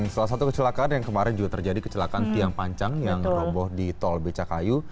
salah satu kecelakaan yang kemarin juga terjadi kecelakaan tiang pancang yang roboh di tol becakayu